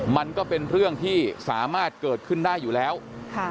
มันก็เป็นเรื่องที่สามารถเกิดขึ้นได้อยู่แล้วค่ะ